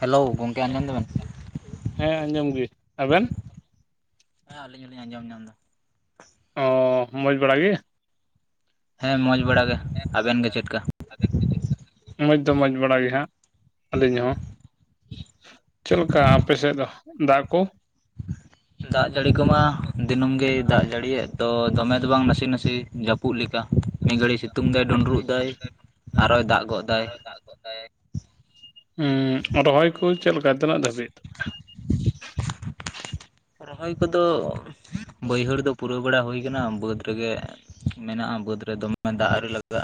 Hello ᱜᱚᱝᱠᱮ ᱟᱸᱡᱚᱢ ᱫᱟᱵᱮᱱ? ᱦᱮᱸ ᱟᱸᱡᱚᱢ ᱜᱤ, ᱟᱵᱮᱱ? ᱦᱮᱸ ᱟᱞᱤᱧ ᱦᱚᱸᱞᱤᱧ ᱟᱸᱡᱚᱢ ᱧᱟᱢ ᱫᱟ᱾ ᱚᱻ ᱢᱚᱡᱽ ᱵᱟᱲᱟ ᱜᱮ? ᱦᱮᱸ ᱢᱚᱡᱽ ᱵᱟᱲᱟ ᱜᱮ, ᱟᱵᱮᱱ ᱜᱮ ᱪᱮᱫ ᱠᱟ? [inaudible] ᱢᱚᱡᱽ ᱫᱚ ᱢᱚᱡᱽ ᱵᱟᱲᱟ ᱜᱮ ᱦᱟᱸᱜ ᱟᱹᱞᱤᱧ ᱦᱚᱸ᱾ ᱪᱮᱫ ᱞᱮᱠᱟ ᱟᱯᱮ ᱥᱮᱫ ᱫᱟᱜ ᱠᱚ? ᱫᱟᱜ ᱡᱟᱹᱲᱤ ᱠᱚᱢᱟ ᱫᱤᱱᱟᱹᱢ ᱜᱮᱭ ᱫᱟᱜ ᱡᱟᱲᱤᱭᱮᱫ ᱫᱚ ᱫᱚᱢᱮ ᱫᱚ ᱵᱟᱝ ᱱᱟᱥᱮ ᱱᱟᱥᱮ ᱡᱟᱯᱩᱫ ᱞᱮᱠᱟ ᱢᱤᱫ ᱜᱷᱟᱹᱲᱤᱭ ᱥᱤᱛ ᱛᱩᱝ ᱫᱟᱭ ᱰᱩᱸᱰᱨᱩᱜ ᱫᱟᱭ ᱟᱨᱚᱭ ᱫᱟᱜ ᱜᱚᱫ ᱫᱟᱭ᱾ ᱫᱟᱜ ᱜᱚᱫ ᱫᱟᱭ᱾ ᱩᱸᱜ ᱨᱚᱦᱚᱭ ᱠᱩ ᱪᱮᱫ ᱞᱮᱠᱟ ᱛᱤᱱᱟᱹ ᱫᱷᱟᱹᱵᱤᱡ? ᱨᱚᱦᱚᱭ ᱠᱚᱫᱚ ᱵᱟᱹᱭᱦᱟᱹᱲ ᱫᱚ ᱯᱩᱨᱟᱹᱣ ᱵᱟᱲᱟ ᱦᱩᱭ ᱠᱟᱱᱟ ᱵᱟᱹᱫᱽ ᱨᱮᱜᱮ ᱢᱮᱱᱟᱜᱼᱟ ᱵᱟᱹᱫᱽ ᱨᱮ ᱫᱚᱢᱮ ᱫᱟᱜ ᱟᱣᱨᱤ ᱞᱟᱜᱟᱜᱼᱟ᱾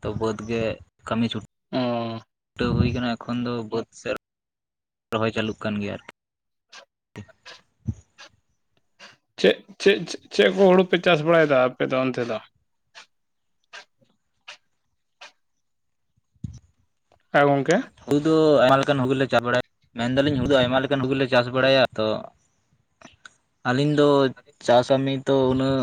ᱛᱚ ᱵᱟᱹᱫᱽ ᱜᱮ ᱠᱟᱢᱤ ᱪᱷᱩᱴ ᱚᱻ᱾ ᱪᱷᱩᱴᱟᱹᱣ ᱦᱩᱭ ᱠᱟᱱᱟ ᱮᱠᱷᱚᱱ ᱫᱚ ᱵᱟᱹᱫᱽ ᱥᱮᱫ ᱨᱚᱦᱚᱭ ᱪᱟᱹᱞᱩᱜ ᱠᱟᱱ ᱜᱮᱭᱟ ᱟᱨᱠᱤ᱾ ᱪᱮᱫ ᱪᱮᱫ ᱪᱮᱫ ᱠᱚ ᱦᱩᱲᱩ ᱯᱮ ᱪᱟᱥ ᱵᱟᱲᱟᱭ ᱫᱟ ᱟᱯᱮ ᱫᱚ ᱚᱱᱛᱮ ᱫᱚ? ᱦᱮ ᱜᱚᱝᱠᱮ ᱦᱩᱲᱩ ᱫᱚ ᱟᱭᱢᱟ ᱞᱮᱠᱟᱱ ᱦᱩᱲᱩ ᱞᱮ ᱪᱟᱥ ᱵᱟᱲᱟᱭᱟ ᱢᱮᱱ ᱫᱟᱞᱤᱧ ᱦᱩᱲᱩ ᱫᱚ ᱟᱭᱢᱟ ᱞᱮᱠᱟᱱ ᱦᱩᱲᱩ ᱞᱮ ᱪᱟᱥ ᱵᱟᱲᱟᱭᱟ ᱛᱚ ᱟᱞᱤᱧ ᱫᱚ ᱪᱟᱥᱟᱢᱤ ᱫᱚ ᱩᱱᱟᱹᱜ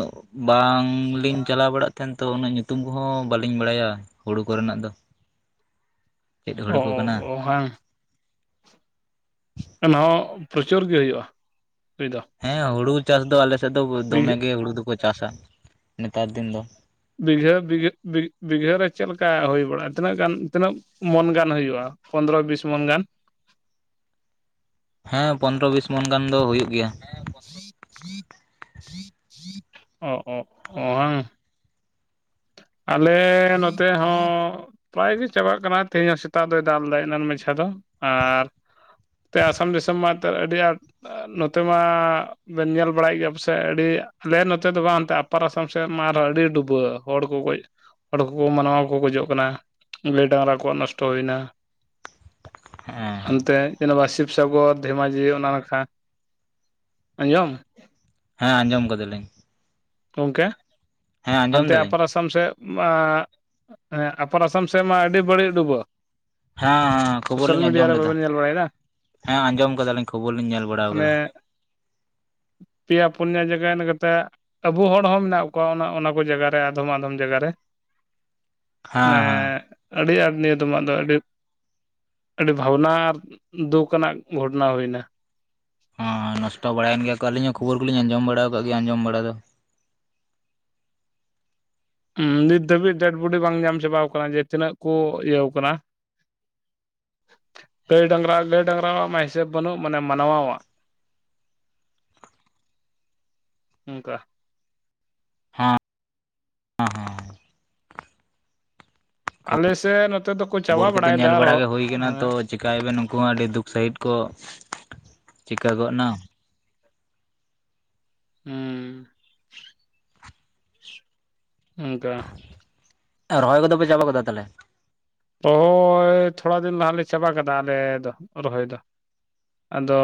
ᱵᱟᱝᱞᱤᱧ ᱪᱟᱞᱟᱣ ᱵᱟᱲᱟᱜ ᱛᱟᱦᱮᱱ ᱛᱚ ᱩᱱᱟᱹᱜ ᱧᱩᱛᱩᱢ ᱠᱚᱦᱚᱸ ᱵᱟᱞᱤᱧ ᱵᱟᱲᱟᱭᱟ ᱦᱩᱲᱩ ᱠᱚᱨᱮᱱᱟᱜ ᱫᱚ᱾ ᱪᱮᱫ ᱳ ᱦᱩᱲᱩ ᱠᱚ ᱠᱟᱱᱟ ᱳ ᱦᱮᱸ᱾ ᱮᱱᱦᱚᱸ ᱯᱨᱚᱪᱩᱨ ᱜᱮ ᱦᱩᱭᱩᱜᱼᱟ ᱦᱩᱭ ᱫᱚ᱾ ᱦᱮᱸ ᱦᱩᱲᱩ ᱪᱟᱥ ᱫᱚ ᱟᱞᱮ ᱥᱮᱫ ᱫᱚ ᱫᱚᱢᱮ ᱵᱤᱜᱷᱟᱹ ᱜᱮ ᱦᱩᱲᱩ ᱫᱚᱠᱚ ᱪᱟᱥᱟ ᱱᱮᱛᱟᱨ ᱫᱤᱱ ᱫᱚ᱾ ᱵᱤᱜᱷᱟᱹ ᱵᱤᱜᱷᱟᱹ ᱵᱤᱜᱷᱟᱹ ᱨᱮ ᱪᱮᱫ ᱞᱮᱠᱟ ᱦᱩᱭ ᱵᱟᱲᱟᱜᱼᱟ ᱛᱤᱱᱟᱹᱜ ᱜᱟᱱ ᱛᱤᱱᱟᱹᱜᱼᱼ ᱢᱚᱱ ᱜᱟᱱ ᱦᱩᱭᱩᱜᱼᱟ ᱯᱚᱱᱨᱚ ᱵᱤᱥ ᱢᱚᱱ ᱜᱟᱱ᱾ ᱦᱮᱸ ᱯᱚᱱᱨᱚ ᱵᱤᱥ ᱢᱚᱱ ᱜᱟᱱ ᱫᱚ ᱦᱩᱭᱩᱜ ᱜᱮᱭᱟ᱾ [inaudible] ᱚ ᱚ ᱚ ᱦᱟᱝ᱾ ᱟᱞᱮ ᱱᱚᱛᱮ ᱦᱚᱸ ᱯᱨᱟᱭ ᱜᱮ ᱪᱟᱵᱟᱜ ᱠᱟᱱᱟ ᱛᱮᱦᱤᱧ ᱦᱚᱸ ᱥᱮᱛᱟᱜ ᱫᱚᱭ ᱫᱟᱞ ᱞᱮᱫᱟ ᱮᱱᱟᱱ ᱢᱟᱪᱷᱟ ᱫᱚ ᱟᱨ ᱚᱱᱛᱮ ᱟᱥᱟᱢ ᱫᱤᱥᱚᱢ ᱢᱟ ᱮᱱᱛᱮ ᱟᱹᱰᱤ ᱟᱸᱴ ᱱᱚᱛᱮ ᱢᱟ ᱵᱮᱱ ᱧᱮᱞ ᱵᱟᱲᱟᱭᱮᱫ ᱜᱮᱭᱟ ᱯᱟᱥᱮ ᱟᱹᱰᱤ ᱟᱞᱮ ᱱᱚᱛᱮ ᱫᱚ ᱵᱟᱝᱱᱛᱮ ᱟᱯᱟᱨ ᱟᱥᱟᱢ ᱥᱮᱫ ᱢᱟ ᱟᱨᱦᱚᱸ ᱟᱹᱰᱤ ᱰᱩᱵᱟᱹ ᱦᱚᱲ ᱩᱱᱠᱩ ᱜᱚᱡ ᱦᱚᱲ ᱠᱚᱠᱚ ᱢᱟᱱᱟᱣᱟ ᱠᱚᱠᱚ ᱜᱚᱡᱚᱜ ᱠᱟᱱᱟ ᱜᱟᱹᱭ ᱰᱟᱝᱨᱟ ᱠᱚᱣᱟᱜ ᱱᱚᱥᱴᱚ ᱦᱩᱭᱱᱟ᱾ ᱦᱮᱸ᱾ ᱚᱱᱛᱮ [inaudible] ᱦᱮᱸ ᱟᱸᱡᱚᱢ ᱟᱠᱟ ᱫᱟᱞᱤᱧ᱾ ᱚᱝᱠᱮ ᱟᱸᱡᱚᱢ ᱟᱱᱛᱮ ᱫᱟᱞᱤᱧ ᱟᱯᱟᱨᱟᱥ ᱟᱥᱟᱢ ᱥᱮᱫ ᱢᱟ ᱟᱯᱚᱨ ᱟᱥᱟᱢ ᱥᱮᱫ ᱢᱟ ᱟᱹᱰᱤ ᱵᱟᱹᱲᱤᱡ ᱩᱰᱩᱜᱚᱜ᱾ ᱦᱮᱸ ᱦᱮᱸ ᱠᱷᱚᱵᱚᱨ ᱞᱤᱧ ᱟᱸᱡᱚᱢ ᱞᱮᱫᱟ ᱧᱮᱞ ᱵᱟᱲᱟᱭᱮᱫᱟ ᱦᱮᱸ ᱟᱸᱡᱚᱢ ᱟᱠᱟᱫᱟᱞᱤᱧ ᱠᱷᱚᱵᱚᱨ ᱞᱤᱧ ᱧᱮᱞ ᱵᱟᱲᱟᱣ ᱟᱠᱟᱫᱟ᱾ ᱚᱱᱮ ᱯᱮᱭᱟ ᱯᱩᱱᱭᱟᱟᱹ ᱡᱟᱭᱜᱟ ᱠᱟᱫᱟ ᱟᱵᱚ ᱦᱚᱲ ᱦᱚᱸ ᱢᱮᱱᱟᱜ ᱠᱚᱣᱟ ᱚᱱᱟ ᱚᱱᱟ ᱠᱚ ᱡᱟᱭᱜᱟ ᱨᱮ ᱟᱫᱚᱢ ᱟᱫᱚᱢ ᱡᱟᱭᱜᱟ ᱨᱮ᱾ ᱦᱮᱸ ᱢᱟᱱᱮ ᱦᱮᱸ ᱟᱹᱰᱤ ᱟᱸᱴ ᱱᱤᱭᱟᱹ ᱫᱚᱢᱟᱜ ᱫᱚ ᱟᱹᱰᱤ ᱟᱹᱰᱤ ᱵᱷᱟᱵᱽᱱᱟ ᱟᱨ ᱫᱩᱠ ᱟᱱᱟᱜ ᱜᱷᱚᱴᱚᱱᱟ ᱦᱩᱭᱱᱟ᱾ ᱦᱳᱭ ᱱᱚᱥᱴᱚ ᱵᱟᱲᱟᱭᱮᱱ ᱜᱮᱭᱟ ᱠᱚ ᱟᱹᱞᱤᱧ ᱦᱚᱸ ᱠᱷᱚᱵᱚᱨ ᱠᱚᱞᱤᱧ ᱟᱸᱡᱚᱢ ᱵᱟᱲᱟ ᱟᱠᱟᱫ ᱜᱮᱭᱟ ᱟᱸᱡᱚᱢ ᱵᱟᱲᱟ ᱫᱚ᱾ ᱦᱩᱸ ᱱᱤᱛ ᱫᱷᱟᱹᱵᱤᱡ ᱰᱮᱰ ᱵᱚᱰᱤ ᱵᱟᱝ ᱧᱟᱢ ᱪᱟᱵᱟ ᱟᱠᱟᱱᱟ ᱡᱮ ᱛᱤᱱᱟᱹᱜ ᱠᱚ ᱤᱭᱟᱹ ᱟᱠᱟᱱᱟ᱾ ᱜᱟᱹᱭ ᱰᱟᱝᱨᱟ ᱜᱟᱹᱭ ᱰᱟᱝᱨᱟᱣᱟᱜ ᱢᱟ ᱦᱤᱥᱟᱹᱵᱽ ᱵᱟᱹᱱᱩᱜ ᱢᱟᱱᱮ ᱢᱟᱱᱟᱣᱟ-ᱟᱜ᱾ [inaudible] ᱚᱱᱠᱟ ᱦᱮᱸ ᱦᱮᱸ ᱾ ᱟᱞᱮᱥᱮᱫ ᱱᱚᱛᱮ ᱫᱚᱠᱚ ᱠᱷᱚᱵᱚᱨ ᱪᱟᱵᱟ ᱠᱚᱫᱚ ᱵᱟᱲᱟᱭᱮᱫᱟ ᱧᱮᱞ ᱵᱟᱲᱟ ᱜᱮ ᱦᱩᱭ ᱟᱨᱦᱚᱸ ᱠᱟᱱᱟ ᱛᱚ ᱦᱮᱸ᱾ ᱪᱤᱠᱟᱭᱟᱵᱮᱱ ᱩᱱᱠᱩ ᱦᱚᱸ ᱟᱹᱰᱤ ᱫᱩᱠ ᱥᱟᱺᱦᱤᱡ ᱠᱚ ᱪᱤᱠᱟᱹ ᱜᱚᱫ ᱱᱟ᱾ ᱦᱩᱸ ᱚᱝᱠᱟ᱾ ᱟᱨ ᱨᱚᱦᱚᱭ ᱠᱚᱫᱚ ᱯᱮ ᱪᱟᱵᱟ ᱠᱟᱫᱟ ᱛᱟᱦᱚᱞᱮ? ᱨᱚᱦᱚᱭ ᱛᱷᱚᱲᱟ ᱫᱤᱱ ᱞᱟᱦᱟᱜ ᱞᱮ ᱪᱟᱵᱟ ᱠᱟᱫᱟ ᱟᱞᱮ ᱫᱚ ᱨᱚᱦᱚᱭ ᱫᱚ᱾ ᱟᱫᱚ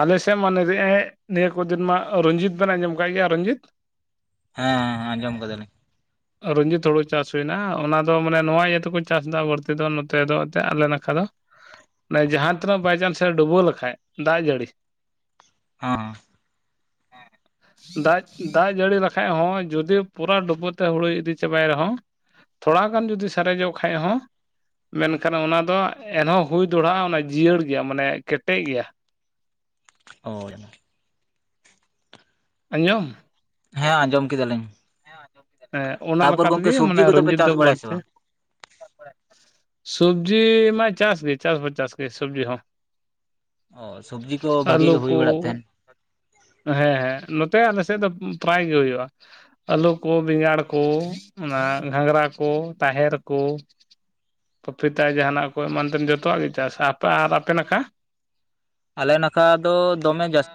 ᱟᱞᱮᱥᱮᱫ ᱢᱟ ᱱᱤᱭᱟᱹ ᱠᱚ ᱫᱤᱱ ᱢᱟ ᱨᱚᱧᱡᱤᱛ ᱵᱮᱱ ᱟᱸᱡᱚᱢ ᱟᱠᱟᱫ ᱜᱮᱭᱟ ᱨᱚᱧᱡᱤᱛ ᱦᱮᱸ ᱦᱮᱸ ᱟᱧᱡᱚᱢ ᱟᱠᱟ ᱫᱟᱞᱤᱧ᱾ ᱨᱚᱧᱡᱤᱛ ᱦᱩᱲᱩ ᱪᱟᱥ ᱦᱩᱭᱱᱟ ᱚᱱᱟ ᱫᱚ ᱢᱟᱱᱮ ᱱᱚᱣᱟ ᱤᱭᱟᱹ ᱛᱮᱠᱚ ᱪᱟᱥᱫᱟ ᱵᱟᱹᱲᱛᱤ ᱫᱚ ᱱᱚᱛᱮ ᱫᱚ ᱮᱱᱛᱮᱫ ᱟᱞᱮ ᱱᱟᱠᱷᱟ ᱫᱚ᱾ ᱢᱟᱱᱮ ᱡᱟᱦᱟᱸ ᱛᱤᱱᱟᱹᱜ ᱵᱟᱭᱪᱟᱱᱥ ᱮ ᱰᱩᱵᱟᱹᱣ ᱞᱮᱠᱷᱟᱡ ᱫᱟᱜ ᱡᱟᱹᱲᱤ ᱦᱚᱸ ᱫᱟᱜ ᱡᱟᱹᱲᱤ ᱞᱮᱠᱷᱟᱡ ᱦᱚᱸ ᱡᱩᱫᱤ ᱯᱩᱨᱟᱹ ᱰᱩᱵᱩᱡ ᱛᱮ ᱦᱩᱲᱩ ᱤᱫᱤ ᱪᱟᱵᱟᱭ ᱨᱮᱦᱚᱸ ᱛᱷᱚᱲᱟ ᱜᱟᱱ ᱡᱩᱫᱤ ᱥᱟᱨᱮᱡᱚᱜ ᱠᱷᱟᱱᱡ ᱦᱚᱸ ᱢᱮᱱᱠᱷᱟᱱ ᱚᱱᱟ ᱫᱚ ᱮᱱᱦᱚᱸ ᱦᱩᱭ ᱫᱚᱲᱦᱟᱜᱼᱟ ᱚᱱᱟ ᱡᱤᱭᱟᱹᱲ ᱜᱮᱭᱟ ᱢᱟᱱᱮ ᱠᱮᱴᱮᱡ ᱜᱮᱭᱟ᱾ ᱦᱳᱭ᱾ ᱟᱸᱡᱚᱢ? ᱦᱮᱸ ᱟᱸᱡᱚᱢ ᱠᱮᱫᱟᱞᱤᱧ? ᱦᱮᱸ ᱚᱱᱟ ᱛᱟᱯᱚᱨ ᱞᱮᱠᱟ ᱜᱚᱝᱠᱮ ᱛᱮᱜᱮ ᱢᱟᱱᱮ ᱥᱚᱵᱽᱡᱤ ᱠᱚᱫᱚ ᱯᱮ ᱨᱚᱧᱡᱤᱛ ᱫᱚ ᱪᱟᱥ ᱵᱟᱲᱟᱭᱟ ᱥᱮ ᱵᱟᱹᱲᱛᱤ ᱵᱟᱝ ᱥᱚᱵᱽᱡᱤ ᱢᱟᱭ ᱪᱟᱥ ᱜᱮ ᱪᱟᱥ ᱵᱟ ᱪᱟᱥ ᱜᱮ ᱥᱳᱵᱡᱽᱤ ᱦᱚᱸ ᱚ ᱥᱚᱵᱽᱡᱤ ᱠᱚ ᱵᱷᱟᱜᱤ ᱟᱹᱞᱩ ᱜᱮ ᱦᱩᱭ ᱠᱚ ᱵᱟᱲᱟᱜ ᱛᱟᱦᱮᱱ᱾ ᱦᱮᱸ ᱦᱮᱸ ᱱᱚᱛᱮ ᱟᱞᱮᱥᱮᱫ ᱫᱚ ᱯᱨᱟᱭ ᱜᱮ ᱦᱩᱭᱩᱜᱼᱟ᱾ ᱟᱹᱞᱩ ᱠᱚ ᱵᱮᱸᱜᱟᱲ ᱠᱚ ᱚᱱᱟ ᱜᱷᱟᱸᱜᱨᱟ ᱠᱚ ᱛᱟᱦᱮᱨ ᱠᱚ ᱾ ᱯᱟᱹᱯᱤᱛᱟᱭ ᱡᱟᱦᱟᱸᱱᱟᱜ ᱠᱚ ᱮᱢᱟᱱᱛᱮᱢ ᱡᱚᱛᱚᱣᱟᱜ ᱜᱤ ᱪᱟᱥᱟ ᱟᱯᱮ ᱟᱨ ᱟᱯᱮ ᱱᱟᱠᱟ? ᱟᱞᱮ ᱱᱟᱠᱟ ᱫᱚ ᱫᱚᱢᱮ ᱡᱟᱥ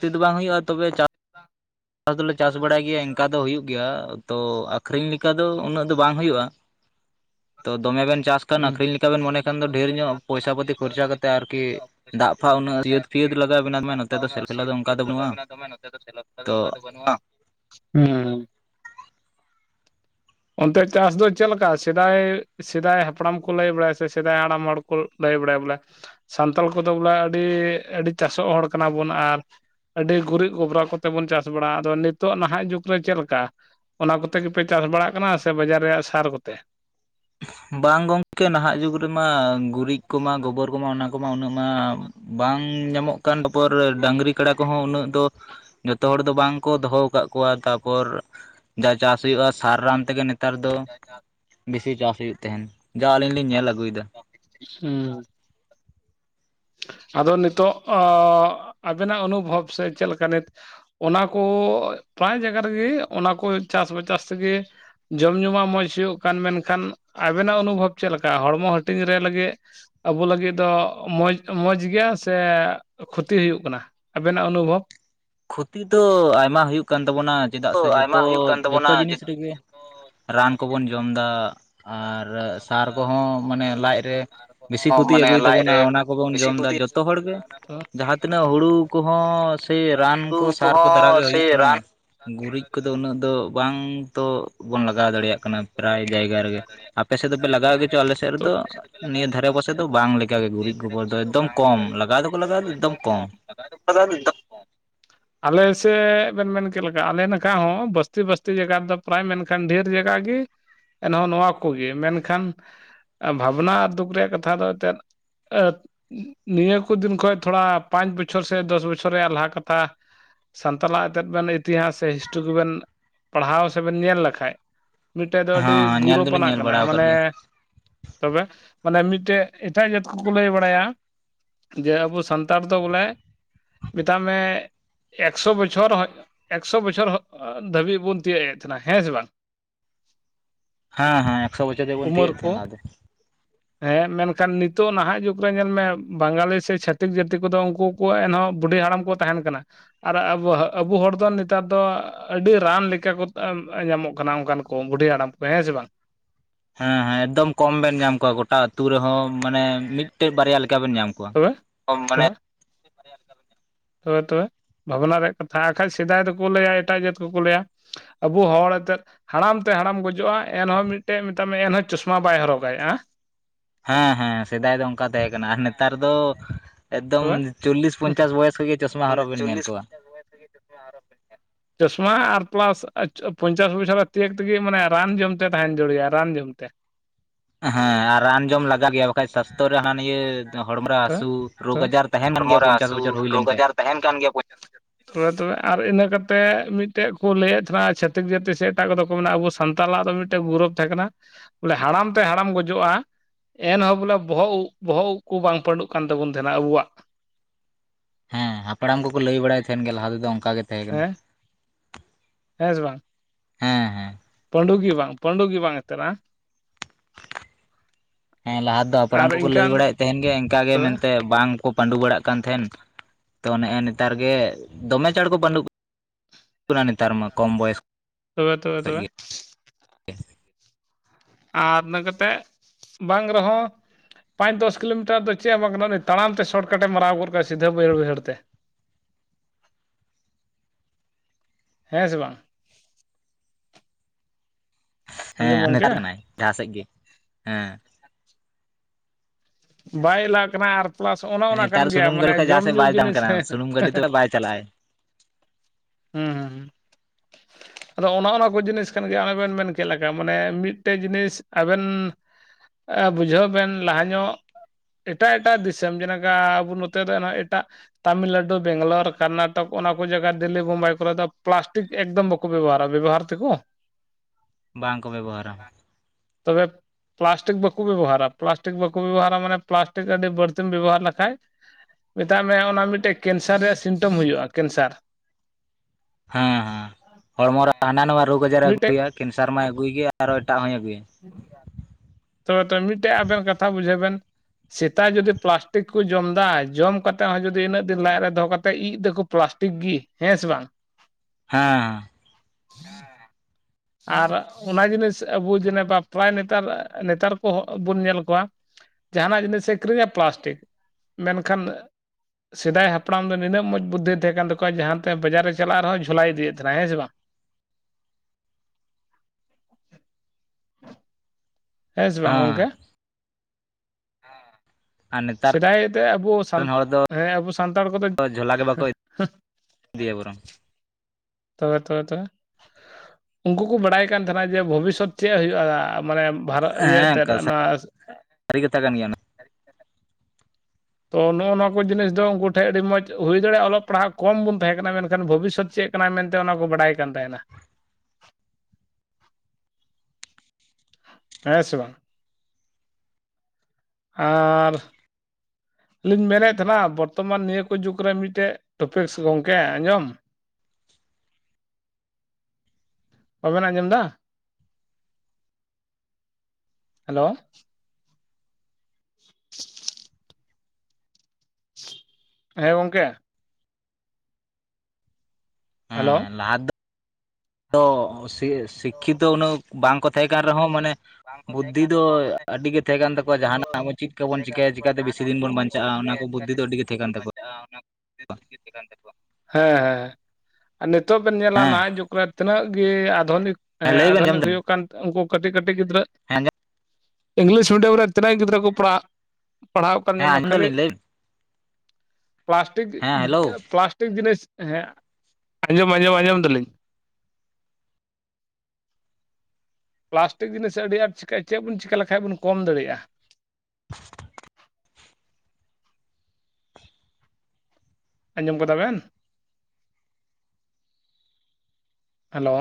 ᱛᱤ ᱫᱚ ᱵᱟᱝ ᱦᱩᱭᱩᱜᱼᱟ ᱛᱚᱵᱮ ᱪᱟᱥ ᱫᱚᱞᱮ ᱪᱟᱥ ᱵᱟᱲᱟᱭ ᱜᱮᱭᱟ ᱮᱱᱠᱟ ᱫᱚ ᱦᱩᱭᱩᱜ ᱜᱮᱭᱟ᱾ ᱛᱚ ᱟᱹᱠᱷᱨᱤᱧ ᱞᱮᱠᱟ ᱫᱚ ᱩᱱᱟᱹᱜ ᱫᱚ ᱵᱟᱝ ᱦᱩᱭᱩᱜᱼᱟ ᱛᱚ ᱫᱚᱢᱮ ᱵᱮᱱ ᱪᱟᱥ ᱠᱟᱹᱱ ᱦᱩᱸ ᱟᱹᱠᱷᱨᱤᱧ ᱞᱮᱠᱟᱵᱮᱱ ᱢᱚᱱᱮ ᱠᱷᱟᱱ ᱫᱚ ᱰᱷᱮᱨ ᱧᱚᱜ ᱯᱚᱭᱥᱟ ᱯᱟᱹᱛᱤ ᱠᱷᱚᱨᱪᱟ ᱠᱟᱛᱮ ᱟᱨᱠᱤ ᱫᱟᱜ ᱯᱷᱟᱜ ᱩᱱᱟᱹᱜ ᱥᱤᱭᱟᱹᱛ ᱥᱤᱭᱟᱹᱛ ᱞᱟᱜᱟᱣ ᱵᱮᱱᱟ [unintelligible] ᱱᱚᱛᱮ ᱫᱚ [unintelligible] ᱚᱝᱠᱟ ᱫᱚ ᱵᱟᱹᱱᱩᱜᱼᱟ᱾ ᱱᱚᱛᱮ ᱫᱚ ᱥᱮᱞᱚ ᱯᱷᱮᱞᱳ ᱫᱚ ᱛᱚ ᱚᱱᱠᱟ ᱫᱚ ᱵᱟᱹᱱᱩᱜᱼᱟ, ᱩᱸ᱾ ᱚᱱᱛᱮ ᱪᱟᱥ ᱫᱚ ᱪᱮᱞᱠᱟ? ᱥᱮᱫᱟᱭ ᱥᱮᱫᱟᱭ ᱦᱟᱯᱲᱟᱢ ᱠᱚ ᱞᱟᱹᱭ ᱵᱟᱲᱟᱭ ᱥᱮ ᱥᱮᱫᱟᱭ ᱦᱟᱲᱟᱢ ᱦᱚᱲ ᱠᱳᱞ ᱞᱟᱹᱭ ᱵᱟᱲᱟᱭᱟ ᱵᱚᱞᱮ, ᱥᱟᱱᱛᱟᱞ ᱠᱚᱫᱚ ᱵᱚᱞᱮ ᱟᱹᱰᱤ ᱟᱹᱰᱤ ᱪᱟᱥᱚᱜ ᱦᱚᱲ ᱠᱟᱱᱟ ᱵᱚᱱ ᱟᱨ ᱟᱹᱰᱤ ᱜᱩᱨᱤᱡ ᱜᱚᱵᱨᱟ ᱠᱚᱛᱮ ᱵᱚᱱ ᱪᱟᱥ ᱵᱟᱲᱟ ᱟᱫᱚ ᱱᱤᱛᱚᱜ ᱱᱟᱦᱟᱸᱜ ᱡᱩᱜᱽ ᱨᱮ ᱪᱮᱞᱠᱟ? ᱚᱱᱟ ᱠᱚᱛᱮ ᱜᱮᱯᱮ ᱪᱟᱥ ᱵᱟᱲᱟᱜ ᱠᱟᱱᱟ ᱥᱮ ᱵᱟᱡᱟᱨ ᱨᱮᱭᱟᱜ ᱥᱟᱨ ᱠᱚᱛᱮ? ᱵᱟᱝ ᱜᱚᱝᱠᱮ ᱱᱟᱦᱟᱸᱜ ᱡᱩᱜᱽ ᱨᱮᱢᱟ ᱜᱩᱨᱤᱡᱽ ᱠᱚᱢᱟ ᱜᱚᱵᱚᱨ ᱠᱚᱢᱟ ᱚᱱᱟ ᱠᱚᱢᱟ ᱩᱱᱟᱹᱜ ᱢᱟ ᱵᱟᱝ ᱧᱟᱢᱚᱜ ᱠᱟᱱ, ᱴᱟᱯᱚᱨ ᱰᱟᱹᱝᱨᱤ ᱠᱟᱰᱟ ᱠᱚᱦᱚᱸ ᱩᱱᱟᱹᱜ ᱫᱚ ᱡᱚᱛᱚ ᱦᱚᱲ ᱫᱚ ᱵᱟᱝ ᱠᱚ ᱫᱚᱦᱚᱣ ᱠᱟᱜ ᱠᱚᱣᱟ, ᱛᱟᱯᱚᱨ ᱡᱟ ᱪᱟᱥ ᱦᱩᱭᱩᱜᱼᱟ ᱥᱟᱨ ᱨᱟᱱ ᱛᱮᱜᱮ ᱱᱮ ᱛᱟᱨ ᱫᱚ ᱵᱤᱥᱤ ᱪᱟᱥ ᱦᱩᱭᱩᱜ ᱛᱮᱦᱮᱸᱱ, ᱡᱟ ᱟᱹᱞᱤᱧ ᱞᱤᱧ ᱧᱮᱞ ᱟᱹᱜᱩᱭ ᱫᱟ᱾ ᱦᱩᱸ᱾ ᱟᱫᱚ ᱱᱤᱛᱚᱜ ᱚ ᱟᱵᱮᱱᱟᱜ ᱚᱱᱩᱵᱷᱚᱵ ᱥᱮ ᱪᱮᱞᱠᱟ ᱱᱤᱛ ᱚᱱᱟ ᱠᱚ ᱯᱨᱟᱭ ᱡᱟᱭᱜᱟ ᱨᱮᱜᱮ ᱚᱱᱟ ᱠᱚ ᱪᱟᱥ ᱵᱟ ᱪᱟᱥ ᱛᱮᱜᱮ ᱡᱚᱢ ᱧᱩ ᱢᱟ ᱢᱚᱡᱥ ᱦᱩᱭᱩᱜ ᱠᱟᱱ ᱢᱮᱱᱠᱷᱟᱱ ᱟᱵᱮᱱᱟᱜ ᱚᱱᱩᱵᱷᱚᱵ ᱪᱮᱜ ᱞᱮᱠᱟ ᱦᱚᱲᱢᱚ ᱦᱟᱹᱴᱤᱧ ᱨᱮ ᱞᱟᱹᱜᱤᱜ ᱟᱵᱳ ᱞᱟᱹᱜᱤ ᱫᱚ ᱢᱚᱡᱽ ᱢᱚᱡᱽ ᱜᱮᱭᱟ ᱥᱮ ᱠᱷᱚᱛᱤ ᱦᱩᱭᱩᱜ ᱠᱟᱱᱟ ᱟᱵᱮᱱᱟᱜ ᱚᱱᱩᱵᱷᱚᱵᱽ? ᱠᱷᱚᱛᱤ ᱫᱚ ᱟᱭᱢᱟ ᱦᱩᱭᱩᱜ ᱠᱟᱱ ᱛᱟᱵᱚᱱᱟ, ᱪᱮᱫᱟᱜ ᱥᱮ ᱡᱚᱛᱚ ᱡᱚᱛᱚ ᱡᱤᱱᱤᱥ ᱨᱮᱜᱮ ᱨᱟᱱ ᱠᱚᱵᱚᱱ ᱡᱚᱢ ᱫᱟ᱾ ᱟᱨ ᱮ ᱥᱟᱨ ᱠᱚᱦᱚᱸ ᱢᱟᱱᱮ ᱞᱟᱡ ᱨᱮ ᱵᱤᱥᱤ ᱠᱷᱩᱛᱤ ᱟᱹᱜᱩᱭ ᱛᱟᱵᱚᱱᱟ ᱚᱱᱟ ᱠᱚᱵᱚᱱ ᱡᱚᱢ ᱫᱟ ᱡᱚ ᱛᱚ ᱦᱚᱲ ᱜᱮ, ᱡᱟᱦᱟᱸ ᱛᱤᱱᱟᱹᱜ ᱦᱩᱲᱩ ᱫᱚ ᱠᱚᱦᱚᱸ ᱥᱟᱹ ᱨᱟᱱ ᱠᱚ ᱥᱟᱨ ᱠᱚ ᱫᱟᱨᱟ ᱜᱮ ᱦᱩᱭᱩᱜ ᱠᱟᱱᱟ, ᱜᱩᱨᱤᱡ ᱠᱚᱫᱚ ᱩᱱᱟᱹᱜ ᱫᱚ ᱵᱟᱝ ᱛᱚ ᱵᱚᱱ ᱞᱟᱜᱟᱣ ᱫᱟᱲᱮᱭᱟᱜ ᱠᱟᱱᱟ ᱯᱨᱟᱭ ᱡᱟᱭᱜᱟ ᱨᱮᱜᱮ, ᱟᱯᱮ ᱥᱮᱜ ᱫᱚᱯᱮ ᱞᱟᱜᱟᱣ ᱜᱮᱪᱚ ᱟᱞᱮ ᱥᱮᱜ ᱨᱮᱫᱚ ᱱᱤᱭᱟᱹ ᱫᱷᱟᱨᱮ ᱯᱟᱥᱮ ᱫᱚ ᱵᱟᱝ ᱞᱮᱠᱟᱜᱮ ᱜᱩᱨᱤᱡᱽ ᱜᱚᱵᱚᱨ ᱫᱚ ᱮᱠᱫᱚᱢ ᱠᱚᱢ ᱞᱟᱜᱟᱣ ᱫᱚᱠᱚ ᱞᱟᱜᱟᱣ ᱫᱚᱢ ᱠᱚᱢ᱾ [unintelligible] ᱟᱞᱮ ᱥᱮᱜ ᱵᱮᱱ ᱢᱮᱱ ᱠᱮᱜ ᱞᱮᱠᱟ, ᱟᱞᱮ ᱱᱟᱠᱷᱟ ᱦᱚᱸ ᱵᱟᱹᱥᱛᱤ ᱵᱟᱹᱥᱛᱤ ᱡᱟᱭᱜᱟ ᱫᱚ ᱯᱨᱟᱭ ᱢᱮᱱ ᱠᱷᱟᱱ ᱰᱷᱮᱨ ᱡᱟᱜᱟ ᱜᱮ ᱮᱱᱦᱚᱸ ᱱᱚᱣᱟ ᱠᱚᱜᱮ ᱢᱮᱱᱠᱷᱟᱱ ᱮ ᱵᱷᱟᱵᱽᱱᱟ ᱟᱨ ᱫᱩᱠ ᱨᱮᱭᱟᱜ ᱠᱟᱛᱷᱟ ᱫᱚ ᱮᱛᱮᱜ ᱮᱛ ᱱᱤᱭᱟᱹ ᱠᱚ ᱫᱤᱱ ᱠᱷᱚᱡ ᱛᱷᱚᱲᱟ ᱯᱟᱸᱪ ᱵᱚᱪᱷᱚᱨ ᱥᱮ ᱫᱚᱥ ᱵᱚᱪᱷᱚᱨ ᱨᱮᱭᱟᱜ ᱞᱟᱦᱟ ᱠᱟᱛᱷᱟ᱾ ᱥᱟᱱᱛᱟᱞᱟᱜ ᱮᱛᱮᱫᱵᱟᱱᱤ ᱤᱛᱤᱦᱟᱥ ᱥᱮ ᱦᱤᱥᱴᱨᱤ ᱠᱩ ᱵᱮᱱ ᱯᱟᱲᱦᱟᱣ ᱥᱮ ᱵᱮᱱ ᱧᱮᱞ ᱞᱮᱠᱷᱟᱡ᱾ ᱢᱤᱴᱮᱡ ᱫᱚ ᱟᱹᱰᱤ ᱦᱮᱸ ᱦᱮᱸ ᱧᱮᱞ ᱜᱩᱨᱚᱯ ᱫᱚᱞᱤᱧ ᱟᱱᱟ ᱧᱮᱞ ᱠᱟᱱᱟ ᱵᱟᱲᱟ ᱟᱠᱟᱫ ᱢᱟᱱᱮ ᱜᱮᱭᱟ ᱛᱚᱵᱮ ᱢᱟᱱᱮ ᱢᱤᱜᱴᱮᱡ ᱮᱴᱟᱜ ᱡᱟᱹᱛ ᱠᱚᱠᱚ ᱞᱟᱹᱭ ᱵᱟᱲᱟᱭᱟ᱾ ᱡᱮ ᱟᱵᱩ ᱥᱟᱱᱛᱟᱲ ᱫᱚ ᱵᱚᱞᱮ, ᱢᱮᱛᱟᱜ ᱢᱮ ᱮᱠᱥᱚ ᱵᱚᱪᱷᱚᱨ ᱦᱚᱡ ᱮᱠᱥᱚ ᱵᱚᱪᱷᱚᱨ ᱦᱚᱜ ᱫᱷᱟᱹᱵᱤᱜ ᱵᱩᱱ ᱛᱤᱭᱟᱹᱜ ᱮᱜ ᱛᱷᱮᱱᱟ ᱦᱮᱸ ᱥᱮ ᱵᱟᱝ? ᱦᱮᱸ ᱦᱮᱸ ᱮᱠᱥᱚ ᱵᱚᱪᱷᱚᱨ ᱡᱮ ᱵᱚᱱ ᱛᱤᱭᱟᱹᱜ ᱛᱮᱦᱮᱱᱟ ᱟᱫᱚ᱾ ᱮᱸ ᱢᱮᱱᱠᱷᱟᱱ ᱱᱤᱛᱚᱜ ᱱᱟᱦᱟᱸᱜ ᱡᱩᱜᱽ ᱨᱮ ᱧᱮᱞ ᱢᱮ ᱵᱟᱝᱜᱟᱞᱤ ᱥᱮ ᱪᱷᱟᱹᱛᱤᱠ ᱡᱟᱹᱛᱤ ᱠᱚᱫᱚ ᱩᱱᱠᱩ ᱠᱩ ᱮᱱᱦᱚᱸ ᱵᱩᱰᱤ ᱦᱟᱲᱟᱢ ᱠᱚ ᱛᱟᱦᱮᱱ ᱠᱟᱱᱟ᱾ ᱟᱨ ᱟᱵᱳ ᱦᱟᱹ ᱟᱵᱳ ᱦᱚᱲ ᱫᱚ ᱱᱮᱛᱟᱨ ᱫᱚ ᱟᱹᱰᱤ ᱨᱟᱱ ᱞᱮᱠᱟ ᱠᱚ ᱮᱢ ᱮ ᱧᱟᱢᱚᱜ‌ ᱠᱟᱱᱟ ᱚᱱᱠᱟᱱ ᱠᱚ ᱵᱩᱰᱷᱤ ᱦᱟᱲᱟᱢ ᱠᱚ ᱦᱮᱸ ᱥᱮ ᱵᱟᱝ? ᱦᱮᱸ ᱦᱮᱸ ᱮᱠᱫᱚᱢ ᱠᱚᱢ ᱵᱮᱱ ᱧᱟᱢ ᱠᱚᱣᱟ, ᱜᱚᱴᱟ ᱟᱹᱛᱩ ᱨᱮᱦᱚᱸ ᱢᱟᱱᱮ ᱢᱤᱜᱴᱮᱡ ᱵᱟᱨᱭᱟ ᱞᱮᱠᱟ ᱵᱮᱱ ᱧᱟᱢ ᱠᱚᱣᱟ᱾ [unintelligible] ᱾ ᱵᱷᱟᱵᱽᱱᱟ ᱨᱮᱭᱟᱜ ᱠᱟᱛᱷᱟ, ᱟᱠᱷᱟᱡ ᱥᱮᱫᱟᱭ ᱫᱚᱠᱚ ᱞᱟᱹᱭᱟ ᱮᱴᱟᱜ ᱡᱟᱹᱛ ᱠᱚᱠᱚ ᱞᱟᱹᱭᱟ, ᱟᱵᱚ ᱦᱚᱲ ᱮᱛᱮᱫ ᱦᱟᱲᱟᱢ ᱛᱮ ᱦᱟᱲᱟᱢ ᱜᱚᱡᱚᱜᱼᱟ ᱮᱱᱦᱚᱸ ᱢᱤᱫᱴᱮᱡ ᱢᱮᱛᱟ ᱢᱮᱭᱟ ᱱᱷᱟᱜ ᱪᱚᱥᱢᱟ ᱵᱟᱭ ᱦᱚᱨᱚᱜᱼᱟ᱾ ᱦᱮᱸ ᱦᱮᱸ ᱥᱮᱫᱟᱭ ᱫᱚ ᱚᱱᱠᱟ ᱛᱟᱦᱮᱸ ᱠᱟᱱᱟ ᱟᱨ ᱱᱮᱛᱟᱨ ᱫᱚ ᱮᱠᱫᱚᱢ ᱪᱚᱞᱞᱤᱥ ᱯᱚᱧᱪᱟᱥ ᱵᱚᱭᱮᱥ ᱨᱮᱜᱮ ᱟᱱᱮ ᱪᱚᱞᱤᱥ ᱯᱚᱧᱪᱟᱥ ᱵᱚᱭᱮᱥ ᱨᱮᱜᱮ [unintelligible] ᱪᱚᱥᱢᱟ ᱟᱨ ᱯᱮᱞᱟᱥ ᱟᱪᱚ ᱯᱚᱧᱪᱟᱥ ᱵᱚᱪᱷᱚᱨ ᱛᱤᱭᱟᱜ ᱛᱮᱜᱮ ᱢᱟᱱᱮ ᱨᱟᱱ ᱡᱚᱢ ᱛᱮ ᱛᱟᱦᱮ ᱡᱟᱲᱩᱭᱼᱟ ᱨᱟᱱ ᱡᱚᱢ ᱾ [unintelligible] ᱦᱮᱸ ᱟᱨ ᱨᱟᱱ ᱡᱚᱢ ᱞᱟᱜᱟᱜ ᱜᱮᱭᱟ ᱟᱨ ᱵᱟᱠᱷᱟᱡ ᱥᱟᱥᱛᱷᱚ ᱨᱮ ᱦᱟᱱᱟ ᱱᱤᱭᱟᱹ ᱦᱚᱲᱢᱚ ᱨᱮ ᱛᱚ ᱦᱟᱹᱥᱩ ᱨᱳᱜᱽ ᱛᱚ ᱟᱡᱟᱨ ᱛᱟᱦᱮᱸᱱ ᱠᱟᱱ ᱜᱮᱭᱟ ᱯᱚᱧᱪᱟᱥ ᱵᱚᱪᱷᱚᱨ ᱦᱩᱭ ᱞᱮᱱᱠᱷᱟᱡ᱾ ᱛᱟᱦᱮᱱ ᱠᱟᱱ ᱜᱮᱭᱟ [unintelligible] ᱛᱟᱦᱚᱞᱮ ᱛᱚᱵᱮ ᱟᱨ ᱤᱱᱟᱹ ᱠᱟᱛᱮ ᱢᱤᱫᱴᱮᱡ ᱠᱚ ᱞᱟᱹᱭᱮᱫ ᱛᱟᱦᱮᱱᱟ ᱪᱷᱟᱹᱛᱤᱠ ᱡᱟᱹᱛᱤ ᱥᱮ ᱮᱴᱟᱜ ᱠᱚᱫᱚ ᱠᱚ ᱢᱮᱱᱟ ᱟᱵᱚ ᱥᱮ ᱥᱟᱱᱛᱟᱞ ᱟᱜ ᱫᱚ ᱢᱤᱫᱴᱮᱡ ᱜᱚᱨᱚᱵᱽ ᱛᱟᱦᱮᱸ ᱠᱟᱱᱟ ᱵᱚᱞᱮ ᱦᱟᱲᱟᱢ ᱛᱮ ᱦᱟᱲᱟᱢ ᱜᱚᱡᱚᱜᱼᱟ ᱮᱱᱦᱚᱸ ᱵᱚᱞᱮ ᱵᱚᱦᱚᱜ ᱩᱵ ᱵᱚᱦᱚᱜ ᱩᱵ ᱠᱚ ᱵᱟᱝ ᱯᱟᱹᱰᱩᱜ ᱠᱟᱱ ᱛᱟᱵᱚᱱ ᱛᱟᱦᱮᱱᱟ ᱟᱵᱚᱣᱟᱜ᱾ ᱦᱮᱸ ᱦᱟᱯᱲᱟᱢ ᱠᱚᱠᱚ ᱞᱟᱹᱭ ᱵᱟᱲᱟᱭ ᱛᱟᱦᱮᱱ ᱜᱮ ᱞᱟᱦᱟ ᱛᱮᱫᱚ ᱚᱱᱠᱟ ᱜᱮ ᱛᱟᱦᱮᱸ ᱠᱟᱱᱟ᱾ ᱦᱮᱸ ᱦᱮᱸ ᱥᱮ ᱵᱟᱝ ᱾ ᱦᱮᱸ ᱦᱮᱸ ᱾ ᱯᱟᱹᱰᱩ ᱜᱮ ᱵᱟᱝ ᱯᱟᱹᱰᱩ ᱜᱮ ᱵᱟᱝ [inaudible] ᱦᱮᱸ ᱞᱟᱦᱟ ᱫᱚ ᱦᱟᱯᱲᱟᱢ ᱟᱨ ᱠᱚᱠᱚ ᱞᱟᱹᱭ ᱤᱱᱠᱟᱱ ᱵᱟᱲᱟᱭᱮᱫ ᱛᱟᱦᱮᱱ ᱜᱮ ᱮᱱᱠᱟ ᱜᱮ ᱛᱚᱵᱮ ᱢᱮᱱᱛᱮ ᱵᱟᱝ ᱠᱚ ᱯᱟᱹᱰᱩ ᱵᱟᱲᱟᱜ ᱠᱟᱱ ᱛᱟᱦᱮᱸᱱ ᱛᱚ ᱱᱮᱜᱼᱮ ᱱᱮᱛᱟᱨ ᱜᱮ ᱫᱚᱢᱮ ᱪᱟᱬ ᱠᱚ ᱯᱟᱹᱰᱩᱜ ᱱᱮᱛᱟᱨ ᱢᱟ ᱠᱚᱢ ᱵᱚᱭᱚᱥ ᱛᱚᱵᱮ ᱛᱚᱵᱮ ᱛᱚᱵᱮ ᱟᱨ ᱤᱱᱟᱹ ᱠᱟᱛᱮᱜ ᱵᱟᱝ ᱨᱮᱦᱚᱸ ᱯᱟᱸᱪ ᱫᱚᱥ ᱠᱤᱞᱳᱢᱤᱴᱟᱨ ᱫᱚ ᱪᱮᱫ ᱦᱚᱸ ᱵᱟᱝ ᱠᱟᱱᱟ ᱮᱱᱮ ᱛᱟᱲᱟᱢ ᱛᱮ ᱥᱚᱴᱠᱟᱴᱮ ᱢᱟᱨᱟᱣ ᱜᱚᱫ ᱠᱟᱜᱼᱟ ᱥᱤᱫᱷᱟᱹ ᱵᱟᱹᱭᱦᱟᱹᱲ ᱵᱟᱹᱭᱦᱟᱹᱲ ᱛᱮ᱾ ᱦᱮᱸ ᱥᱮ ᱵᱟᱝ? ᱟᱸᱡᱚᱢ ᱦᱮᱸ ᱜᱚᱝᱠᱮ ᱱᱮᱛᱟᱨ ᱠᱟᱱᱟᱭ ᱡᱟᱦᱟᱸ ᱥᱮᱫ ᱜᱮ ᱦᱮᱸ ᱵᱟᱭ ᱮᱞᱟᱜ ᱠᱟᱱᱟ ᱟᱨ ᱯᱞᱟᱥ ᱚᱱᱟ ᱚᱱᱟ ᱱᱮᱛᱟᱨ ᱠᱟᱱ ᱜᱮᱭᱟ ᱥᱩᱱᱩᱢ ᱜᱟᱹᱰᱤ ᱢᱟᱱᱮ ᱵᱟᱠᱷᱟᱡ ᱡᱟᱦᱟᱸ ᱡᱚᱢ ᱥᱮᱫ ᱧᱩ ᱵᱟᱭ ᱫᱟᱢ ᱡᱤᱱᱤᱥ ᱠᱟᱱᱟ ᱦᱮᱸ ᱥᱩᱱᱩᱢ ᱜᱟᱹᱰᱤ ᱛᱮᱫᱚ ᱵᱟᱭ ᱪᱟᱞᱟᱜᱼᱟᱭ᱾ ᱦᱩᱸ [unintelligible] ᱟᱫᱚ ᱚᱱᱟ ᱚᱱᱟ ᱠᱚ ᱡᱤᱱᱤᱥ ᱠᱟᱱᱜᱮ ᱚᱱᱮ ᱵᱮᱱ ᱢᱮᱱ ᱠᱮᱫ ᱞᱮᱠᱟ ᱢᱟᱱᱮ ᱢᱤᱫᱴᱮᱡ ᱡᱤᱱᱤᱥ ᱟᱵᱮᱱ ᱵᱩᱡᱷᱟᱹᱣ ᱵᱮᱱ ᱞᱟᱦᱟ ᱧᱚᱜ ᱮᱴᱟᱜ ᱮᱴᱟᱜ ᱫᱤᱥᱚᱢ ᱡᱮᱞᱮᱠᱟ ᱟᱵᱚ ᱱᱚᱛᱮ ᱫᱚ ᱟᱨᱦᱚᱸ ᱮᱴᱟᱜ ᱛᱟᱢᱤᱞᱱᱟᱲᱩ ᱵᱮᱝᱜᱟᱞᱳᱨ ᱠᱟᱨᱱᱟᱴᱚᱠ ᱚᱱᱟ ᱠᱚ ᱡᱟᱭᱜᱟ ᱫᱤᱞᱞᱤ ᱵᱳᱢᱵᱟᱭ ᱠᱚᱨᱮ ᱫᱚ ᱯᱞᱟᱥᱴᱤᱠ ᱮᱠᱫᱚᱢ ᱵᱟᱠᱚ ᱵᱮᱵᱷᱚᱦᱟᱨᱟ ᱵᱮᱵᱚᱦᱟᱨ ᱛᱮᱠᱚ ᱵᱟᱝᱠᱚ ᱵᱮᱵᱷᱚᱦᱟᱨᱟ ᱾ ᱛᱚᱵᱮ ᱯᱮᱞᱟᱥᱴᱤᱠ ᱵᱟᱠᱚ ᱵᱮᱵᱷᱚᱦᱟᱨᱟ ᱯᱮᱞᱟᱥᱴᱤᱠ ᱵᱟᱠᱚ ᱵᱮᱵᱷᱚᱦᱟᱨ᱾ ᱢᱟᱱᱮ ᱯᱮᱞᱟᱥᱴᱤᱠ ᱟᱹᱰᱤ ᱵᱟᱹᱲᱛᱤᱢ ᱵᱮᱵᱷᱚᱦᱟᱨ ᱞᱮᱠᱷᱟᱡ ᱢᱮᱛᱟᱜ ᱢᱮ ᱚᱱᱟ ᱢᱤᱫᱴᱟᱝ ᱠᱮᱱᱥᱟᱨ ᱨᱮᱭᱟᱜ ᱥᱤᱢᱴᱚᱢ ᱦᱩᱭᱩᱜᱼᱟ ᱠᱮᱱᱥᱟᱨ ᱾ ᱦᱮᱸ ᱦᱮᱸ ᱦᱚᱲᱢᱚ ᱨᱮ ᱦᱟᱱᱟ ᱱᱟᱶᱟ ᱨᱳᱜᱽ ᱟᱡᱟᱨ ᱮ ᱢᱤᱫᱴᱮᱡ ᱟᱹᱜᱩᱭᱟ ᱠᱮᱱᱥᱟᱨ ᱢᱟᱭ ᱟᱹᱜᱩᱭ ᱜᱮᱭᱟ ᱟᱨ ᱮᱴᱟᱜ ᱦᱚᱭ ᱟᱹᱜᱩᱭᱟ᱾ [unintelligible] ᱛᱚᱵᱮ ᱛᱚ ᱢᱤᱫᱴᱮᱡ ᱟᱵᱮᱱ ᱠᱟᱛᱷᱟ ᱵᱩᱡᱷᱟᱹᱣ ᱵᱮᱱ ᱥᱮᱛᱟ ᱡᱩᱫᱤ ᱯᱮᱞᱟᱥᱴᱤᱠ ᱠᱚ ᱡᱚᱢ ᱮᱫᱟ ᱡᱚᱢ ᱠᱟᱛᱮᱫ ᱦᱚᱸ ᱡᱩᱫᱤ ᱤᱱᱟᱹᱜ ᱫᱤᱱ ᱞᱟᱡ ᱨᱮ ᱫᱚᱦᱚ ᱠᱟᱛᱮᱫ ᱤᱡ ᱫᱟᱠᱚ ᱯᱮᱞᱟᱥᱴᱤᱠ ᱜᱤ ᱦᱮᱸ ᱥᱮ ᱵᱟᱝ ᱾ ᱦᱮᱸ ᱾ ᱟᱨ ᱚᱱᱟ ᱡᱤᱱᱤᱥ ᱟᱵᱚ ᱡᱮᱱᱚ [inaudible] ᱱᱮᱛᱟᱨ ᱱᱮᱛᱟᱨ ᱠᱚᱦᱚ ᱵᱚᱱ ᱧᱮᱞ ᱠᱚᱣᱟ᱾ ᱡᱟᱦᱟᱱᱟᱜ ᱡᱤᱱᱤᱥ ᱮ ᱠᱤᱨᱤᱧᱟ ᱯᱞᱟᱥᱴᱤᱠ ᱢᱮᱱᱠᱷᱟᱱ ᱥᱮᱫᱟᱭ ᱦᱟᱯᱲᱟᱢ ᱫᱚ ᱱᱤᱱᱟᱹᱜ ᱢᱚᱸᱡᱽ ᱵᱩᱫᱽᱫᱷᱤ ᱛᱟᱦᱮᱸ ᱠᱟᱱ ᱛᱟᱠᱚᱣᱟ ᱡᱟᱦᱟᱸ ᱛᱤᱱᱟᱜ ᱵᱟᱡᱟᱨ ᱨᱮ ᱪᱟᱞᱟᱜ ᱨᱮᱦᱚᱸ ᱡᱷᱚᱞᱟᱭ ᱤᱫᱤᱭᱮᱫ ᱛᱟᱦᱮᱱᱟ ᱦᱮᱸ ᱥᱮ ᱵᱟᱝ? ᱦᱮᱸ ᱥᱮ ᱵᱟᱝ ᱜᱚᱝᱠᱮ? ᱟᱨ ᱱᱮᱛᱟᱨ ᱥᱮᱫᱟᱭ ᱛᱮ ᱟᱵᱚ ᱥᱟᱱ ᱨᱮᱱ ᱦᱚᱲ ᱫᱚ ᱦᱮᱸ ᱟᱵᱚ ᱥᱟᱱᱛᱟᱲ ᱠᱚᱫᱚ ᱡᱷᱚᱞᱟ ᱜᱮ ᱵᱟᱠᱚ ᱤᱫᱤᱭᱟ ᱵᱚᱨᱚᱝ᱾ ᱛᱚᱵᱮ ᱛᱚᱵᱮ ᱛᱚᱵᱮ ᱩᱱᱠᱩ ᱠᱚ ᱵᱟᱲᱟᱭ ᱠᱟᱱ ᱛᱟᱦᱮᱱᱟ ᱡᱮ ᱵᱷᱚᱵᱤᱥᱚᱛ ᱪᱮᱫ ᱦᱩᱭᱩᱜ-ᱟ ᱢᱟᱱᱮ ᱵᱷᱟᱨᱚᱜ ᱤᱭᱟᱹ ᱛᱮᱫ ᱚᱱᱟ ᱥᱟᱨᱤ ᱠᱟᱛᱷᱟ ᱠᱟᱱ ᱜᱮᱭᱟ ᱚᱱᱟ ᱛᱚ ᱱᱚᱜᱚ ᱱᱚᱣᱟ ᱠᱚ ᱡᱤᱱᱤᱥ ᱫᱚ ᱩᱱᱠᱩ ᱴᱷᱮᱱ ᱟᱹᱰᱤ ᱢᱚᱸᱡᱽ ᱦᱩᱭ ᱫᱟᱲᱮᱭᱟᱜ-ᱟ ᱚᱞᱚᱜ ᱯᱟᱲᱦᱟᱜ ᱠᱚᱢ ᱵᱚᱱ ᱛᱟᱦᱮᱸ ᱠᱟᱱᱟ ᱢᱮᱱᱠᱷᱟᱱ ᱵᱷᱚᱵᱤᱥᱥᱚᱛ ᱪᱮᱫ ᱠᱟᱱᱟ ᱢᱮᱱᱛᱮ ᱚᱱᱟ ᱠᱚ ᱵᱟᱰᱟᱭ ᱠᱟᱱ ᱛᱟᱦᱮᱱᱟ᱾ ᱦᱮᱸ ᱥᱮ ᱵᱟᱝ? ᱟᱨ ᱟᱹᱞᱤᱧ ᱢᱮᱱᱮᱫ ᱛᱟᱦᱮᱱᱟ ᱵᱚᱨᱛᱚᱢᱟᱱ ᱱᱤᱭᱟᱹ ᱠᱚ ᱡᱩᱜᱽ ᱨᱮ ᱢᱤᱫᱴᱮᱜ ᱴᱩᱯᱤᱠᱥ ᱜᱚᱢᱠᱮ ᱟᱸᱡᱚᱢ᱾ [inaudible] ᱵᱟᱵᱮᱱ ᱟᱸᱡᱚᱢ ᱫᱟ? ᱦᱮᱞᱳ᱾ [inaudible] ᱦᱮᱸ ᱜᱚᱝᱠᱮ᱾ ᱦᱮᱞᱳ ᱦᱮᱸ ᱞᱟᱦᱟ ᱫᱚ ᱥᱤᱠᱠᱷᱤᱛᱚ ᱩᱱᱟᱹᱜ ᱵᱟᱝ ᱠᱚ ᱛᱟᱦᱮᱸ ᱠᱟᱱ ᱨᱮᱦᱚᱸ ᱢᱟᱱᱮ ᱵᱩᱫᱽᱫᱷᱤ ᱫᱚ ᱟᱹᱰᱤ ᱜᱮ ᱛᱟᱦᱮᱸ ᱠᱟᱱ ᱛᱟᱠᱚᱣᱟ ᱡᱟᱦᱟᱱᱟᱜ ᱟᱵᱚ ᱪᱮᱫ ᱠᱟᱵᱚᱱ ᱪᱤᱠᱟᱭᱟ ᱪᱮᱠᱟᱛᱮ ᱵᱮᱥᱤ ᱫᱤᱱ ᱵᱚᱱ ᱵᱟᱧ? ᱪᱟᱜᱟ ᱚᱱᱟ ᱠᱚ ᱵᱩᱫᱽᱫᱷᱤ ᱫᱚ ᱟᱹᱰᱤ ᱜᱮ ᱛᱟᱦᱮᱸ ᱠᱟᱱ ᱛᱟᱠᱚᱣᱟ ᱾ [inaudible] ᱦᱮᱸ ᱦᱮᱸ᱾ ᱟᱨ ᱱᱤᱛᱚᱜ ᱵᱮᱱ ᱧᱮᱞᱟ ᱦᱮᱸ ᱱᱟᱦᱟᱜ ᱡᱩᱜᱽ ᱨᱮ ᱛᱤᱱᱟᱹᱜ ᱜᱮ ᱟᱫᱷᱩᱱᱤᱠ ᱦᱮᱸ ᱞᱟᱹᱭ ᱵᱮᱱ ᱟᱸᱡᱚᱢ ᱟᱫᱷᱩᱱᱤᱠ ᱫᱟᱹᱧ ᱦᱩᱭᱩᱜ ᱠᱟᱱ ᱩᱱᱠᱩ ᱠᱟᱹᱴᱤᱡ ᱠᱟᱹᱴᱤᱡ ᱜᱤᱫᱽᱨᱟᱹ ᱦᱮᱸ ᱟᱸᱡᱚᱢ ᱤᱝᱞᱤᱥ ᱢᱤᱰᱤᱭᱟᱢ ᱨᱮ ᱛᱤᱱᱟᱹᱜ ᱜᱤᱫᱽᱨᱟᱹ ᱠᱚ ᱯᱟᱲᱦᱟᱜ ᱯᱟᱲᱦᱟᱣ ᱠᱟᱱ ᱦᱮᱸ ᱧᱮᱞ ᱢᱮ ᱟᱸᱡᱚᱢ ᱠᱷᱟᱹᱞᱤ ᱫᱟᱞᱤᱧ ᱞᱟᱹᱭ ᱵᱮᱱ ᱠᱮᱞᱟᱥ ᱴᱤᱠ ᱦᱮᱸ ᱦᱮᱞᱳ ᱯᱞᱟᱥᱴᱤᱠ ᱡᱤᱱᱤᱥ ᱦᱮᱸ ᱟᱸᱡᱚᱢ ᱟᱸᱡᱚᱢ ᱟᱸᱡᱚᱢ ᱛᱩᱞᱩᱡ᱾ ᱯᱞᱟᱥᱴᱤᱠ ᱡᱤᱱᱤᱥ ᱟᱹᱰᱤ ᱟᱸᱴ ᱪᱮᱠᱟ ᱪᱮᱫ ᱵᱚᱱ ᱪᱤᱠᱟ ᱞᱮᱠᱷᱟᱡ ᱵᱚᱱ ᱠᱚᱢ ᱫᱟᱲᱮᱭᱟᱜ-ᱟ? [inaudible] ᱟᱸᱡᱚᱢ ᱠᱟᱫᱟ ᱵᱮᱱ? ᱦᱮᱞᱳ᱾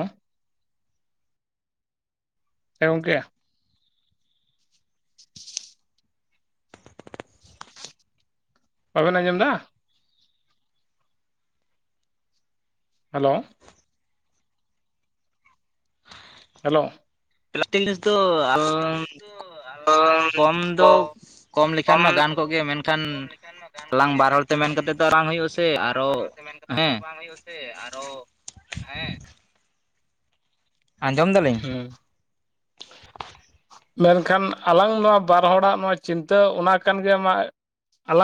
ᱮ ᱜᱚᱝᱠᱮ᱾ ᱵᱟᱵᱮᱱ ᱟᱸᱡᱚᱢ ᱫᱟ? ᱦᱮᱞᱳ᱾ ᱦᱮᱞᱳ ᱯᱞᱟᱥᱴᱤᱠ ᱡᱤᱱᱤᱥ ᱫᱚ ᱠᱚᱢ [inaudible] ᱫᱚ ᱞᱮᱠᱷᱟᱱ ᱠᱚᱢ ᱢᱟ ᱜᱟᱱ ᱫᱚ ᱠᱚᱜ ᱜᱮ ᱢᱮᱱᱠᱷᱟᱱ ᱠᱚᱢ ᱞᱮᱠᱟᱱ ᱢᱟ ᱜᱟᱱ ᱠᱚᱜ ᱟᱞᱟᱝ ᱜᱮ ᱵᱟᱨ ᱦᱚᱲ ᱛᱮ ᱢᱮᱱᱠᱷᱟᱱ ᱢᱮᱱ ᱠᱟᱛᱮᱫ ᱫᱚ ᱵᱟᱝ ᱦᱩᱭᱩᱜᱼᱟ ᱥᱮ ᱟᱞᱟᱝ ᱟᱨᱚ ᱵᱟᱨ ᱦᱚᱲ ᱛᱮ ᱢᱮᱱ ᱢᱮᱱ ᱠᱟᱛᱮᱫ ᱦᱮᱸ ᱛᱚ ᱵᱟᱝ ᱦᱳᱭᱳᱜ-ᱟ ᱥᱮ ᱟᱨᱚ ᱦᱮᱸ ᱾ ᱟᱸᱡᱚᱢ ᱫᱟᱞᱤᱧ ᱦᱩᱸ᱾ [inaudible] ᱢᱮᱱᱠᱷᱟᱱ ᱟᱞᱟᱝ ᱱᱚᱣᱟ ᱵᱟᱨ ᱦᱚᱲᱟᱜ ᱱᱚᱣᱟ ᱪᱤᱱᱛᱟᱹ ᱚᱱᱟ ᱠᱟᱱ ᱜᱮᱭᱟ ᱢᱟ ᱟᱞᱟᱝ